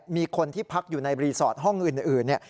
มีคนที่พักอยู่ในรีสอร์ทห้องอื่นเนี่ย